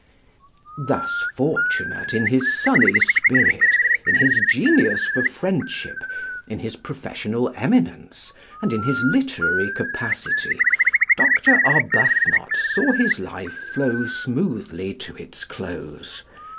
Thus fortunate in his sunny spirit, in his genius for friendship, in his professional eminence, and in his literary capacity, Dr. Arbuthnot saw his life flow smoothly to its close.